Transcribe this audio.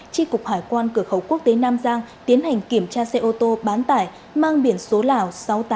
tri cục hải quan cửa khẩu quốc tế nam giang tiến hành kiểm tra xe ô tô bán tải mang biển số lào sáu nghìn tám trăm tám